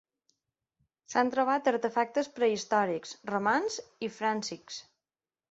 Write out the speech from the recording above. S'han trobat artefactes prehistòrics, romans i fràncics.